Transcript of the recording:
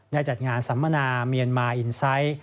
ในจัดงานสำมนามเมียนมาอินไซค์